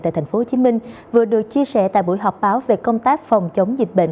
tại tp hcm vừa được chia sẻ tại buổi họp báo về công tác phòng chống dịch bệnh